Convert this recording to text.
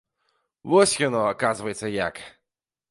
Вось яно, аказваецца, як!